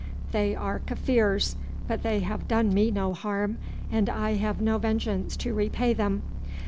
They are Kaffirs, but they have done me no harm, and I have no vengeance to repay them.